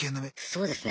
そうですね。